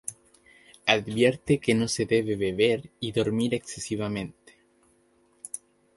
Advierte que no se debe beber y dormir excesivamente.